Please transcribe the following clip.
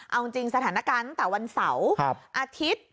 เอาจริงสถานการณ์ตั้งแต่วันเสาร์อาทิตย์